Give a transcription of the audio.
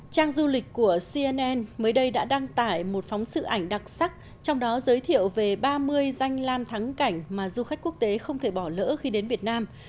trang du lịch của cnn mới đây đã đăng tải một phóng sự ảnh đặc sắc trong đó giới thiệu về ba mươi danh lam thắng cảnh mà du khách quốc tế không thể bỏ lỡ khi đến việt nam